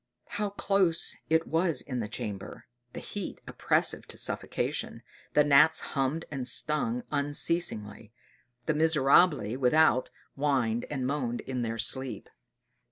How close it was in the chamber! The heat oppressive to suffocation the gnats hummed and stung unceasingly the "miserabili" without whined and moaned in their sleep.